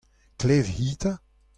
Klev-hi 'ta !